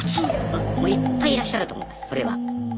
もういっぱいいらっしゃると思いますそれは。